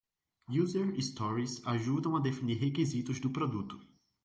User Stories ajudam a definir requisitos de produto.